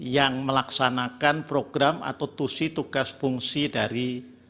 yang melaksanakan program atau tusi tugas fungsi dari